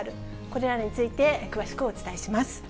これらについて、詳しくお伝えします。